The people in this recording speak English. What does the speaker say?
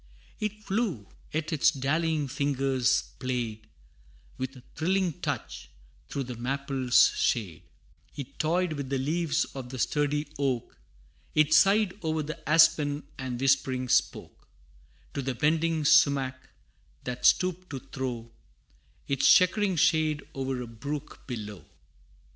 It flew, yet its dallying fingers played, With a thrilling touch, through the maple's shade; It toyed with the leaves of the sturdy oak, It sighed o'er the aspen, and whispering spoke To the bending sumach, that stooped to throw Its chequering shade o'er a brook below.